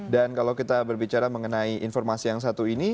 dan kalau kita berbicara mengenai informasi yang satu ini